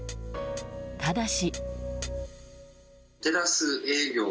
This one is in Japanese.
ただし。